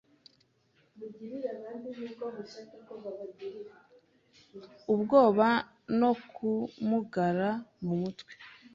ubwoba no kumugara mumutwe